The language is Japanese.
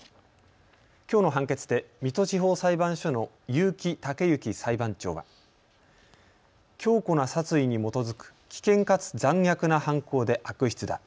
きょうの判決で水戸地方裁判所の結城剛行裁判長は強固な殺意に基づく危険かつ残虐な犯行で悪質だ。